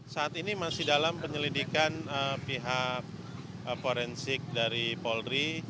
saat ini masih dalam penyelidikan pihak forensik dari polri